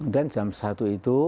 kemudian jam satu itu